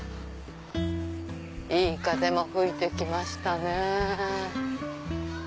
いい風も吹いて来ましたね。